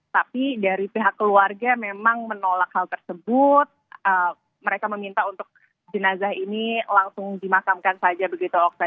tapi dari pihak keluarga memang menolak hal tersebut mereka meminta untuk jenazah ini langsung dimakamkan saja begitu oksa